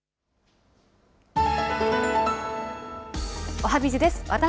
おはＢｉｚです。